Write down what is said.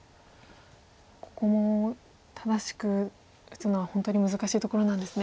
ここも正しく打つのは本当に難しいところなんですね。